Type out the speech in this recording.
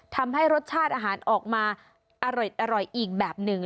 ทำให้รสชาติอาหารออกมาอร่อยอีกแบบหนึ่ง